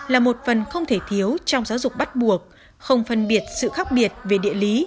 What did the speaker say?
là một phần không thể thiếu trong giáo dục bắt buộc không phân biệt sự khác biệt về địa lý